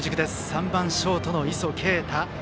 ３番ショートの磯圭太。